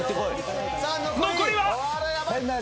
残りは？